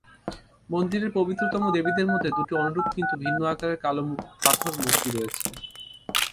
মন্দিরের পবিত্রতম দেবীদের মধ্যে দুটি অনুরূপ কিন্তু বিভিন্ন আকারের কালো পাথর মূর্তি রয়েছে।